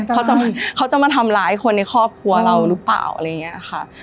เขาจะมาทำร้ายคนในครอบครัวเราหรือเปล่าอะไรอย่างนี้ค่ะ